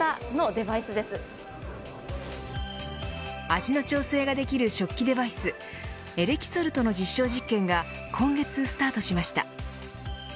味の調整ができる食器デバイスエレキソルトの実証実験が今月スタートしました。